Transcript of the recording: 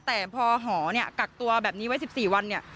แต่พอหอเนี่ยกักตัวแบบนี้ไว้๑๔วันเนี่ย